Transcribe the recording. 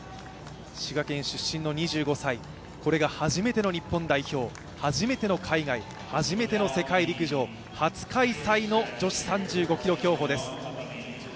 滋賀県出身の２５歳、これが初めての日本代表、初めての海外、初めての世界陸上、初開催の女子３５ｋｍ競歩です。